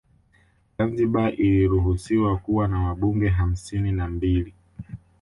Zanzibar iliruhusiwa kuwa na Wabunge hamsini na mbili